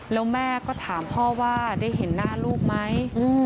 แล้วแม่ก็ถามพ่อว่าได้เห็นหน้าลูกไหม